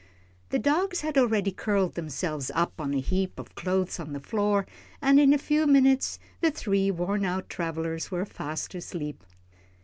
The dogs had already curled themselves up on a heap of clothes on the floor, and in a few minutes the three worn out travellers were fast asleep.